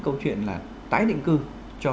câu chuyện là tái định cư cho